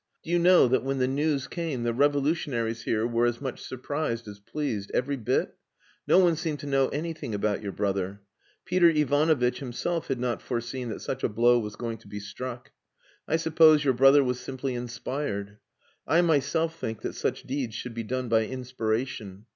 Do you know that when the news came the revolutionaries here were as much surprised as pleased, every bit? No one seemed to know anything about your brother. Peter Ivanovitch himself had not foreseen that such a blow was going to be struck. I suppose your brother was simply inspired. I myself think that such deeds should be done by inspiration.